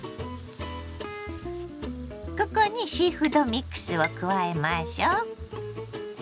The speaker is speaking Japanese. ここにシーフードミックスを加えましょ。